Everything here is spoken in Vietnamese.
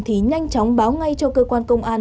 thì nhanh chóng báo ngay cho cơ quan công an